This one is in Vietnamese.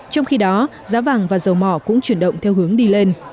trong khi đó giá vàng và dầu mỏ cũng chuyển động theo hướng đi lên